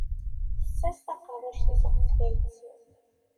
Tessers taqerruct-is ɣef tayet-iw.